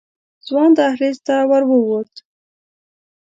ځوان دهلېز ته ورو ووت.